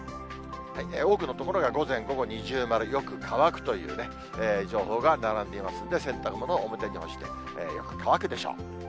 多くの所が午前、午後二重丸、よく乾くという情報が並んでいますんで、洗濯物、表に干してよく乾くでしょう。